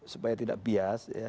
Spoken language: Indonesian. supaya tidak bias